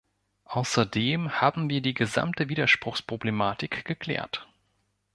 Außerdem haben wir die gesamte Widerspruchsproblematik geklärt.